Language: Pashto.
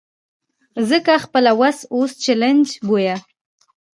ځکه خپله وسه اوس چلنج بویه.